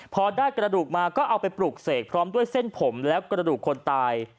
พอได้กระดูกมาก็เอาไปปลูกเสกพร้อมด้วยเส้นผมและกระดูกคนตาย